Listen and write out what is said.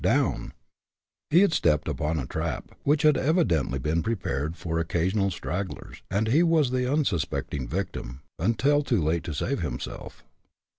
down! He had stepped upon a trap, which had evidently been prepared for occasional stragglers, and he was the unsuspecting victim, until too late to save himself.